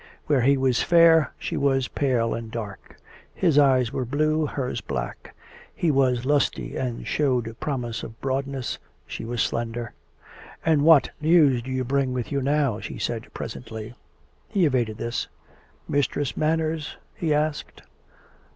Where he was fair, she was pale and dark; his eyes were blue, hers black; he was lusty and showed prom ise of broadness, she was slender. " And what news do you brmg with you now ?" she said presently. He evaded this. " Mistress Manners ?" he asked.